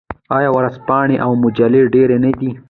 آیا ورځپاڼې او مجلې ډیرې نه دي؟